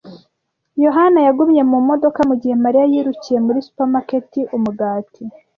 yohani yagumye mu modoka mugihe Mariya yirukiye muri supermarket umugati.